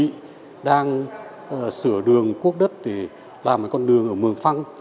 đơn vị đang sửa đường quốc đất để làm một con đường ở mường phăng